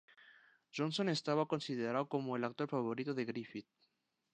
Johnson estaba considerado como el actor favorito de Griffith.